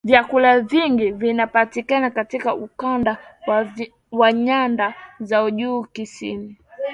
vyakula vingi vinapatikana katika ukanda wa nyanda za juu kusini